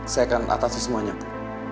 saya akan atasi semuanya bu